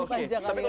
oh di youtube aja